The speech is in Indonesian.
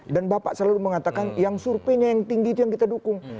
dan bapak selalu mengatakan yang surveinya yang tinggi itu yang kita dukung